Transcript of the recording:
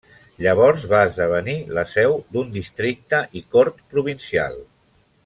Llavors va esdevenir la seu d'un districte i cort provincial.